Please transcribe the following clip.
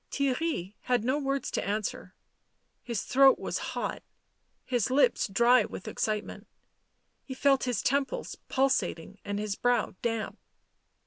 Theirry had no words to answer ; his throat was hot, his lips dry with excitement, he felt his temples pul sating and his brow damp.